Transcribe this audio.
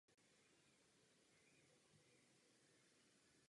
Během svých studií na Harvardu působil jako šéfredaktor Harvard Law Review.